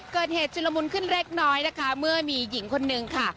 เกิดเหตุชุมลมุนขึ้นเล็กน้อยนะคะเมื่อมีหญิงคนหนึ่งค่ะ